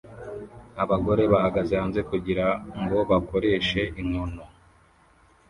Abagore bahagaze hanze kugirango bakoreshe inkono